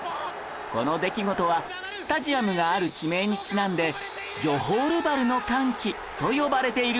この出来事はスタジアムがある地名にちなんでジョホールバルの歓喜と呼ばれているんです